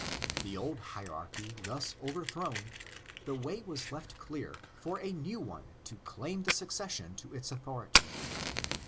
The old hierarchy thus overthrown, the way was left clear for a new one to claim the succession to its authority.